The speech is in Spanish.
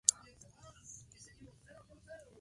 En el episodio hubo varios cambios de diseño para la serie.